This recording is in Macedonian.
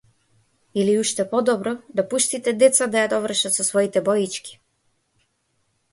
Или уште подобро, да пуштите деца да ја довршат со своите боички.